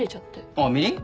あっみりん？